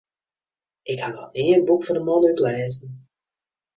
Ik ha noch nea in boek fan de man útlêzen.